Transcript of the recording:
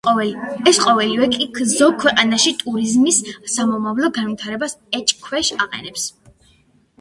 ეს ყოველივე კი ზოგ ქვეყანაში ტურიზმის სამომავლო განვითარებას ეჭვქვეშ აყენებს.